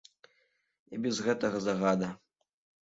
І без гэтага загада.